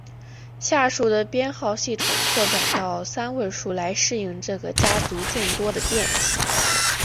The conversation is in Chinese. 下述的编号系统拓展到三位数来适应这个家族众多的变体。